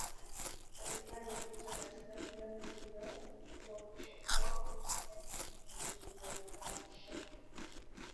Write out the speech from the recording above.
walipanda ukuta katika sehemu uliyodhoofishwa tayari na kuingia mjini Hadi jioni walikuwa wameteka mji